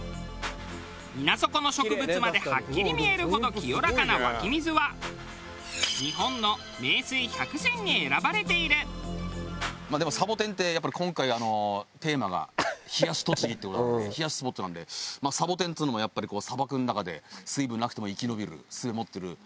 水底の植物まではっきり見えるほど清らかな湧き水は日本のでもサボテンってやっぱり今回テーマが「冷やし栃木」っていう事なので冷やしスポットなのでサボテンっつうのもやっぱり砂漠の中で水分なくても生き延びる術持ってるらしい。